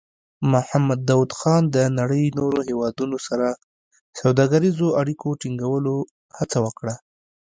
محمد داؤد خان د نړۍ نورو هېوادونو سره سوداګریزو اړیکو ټینګولو هڅه وکړه.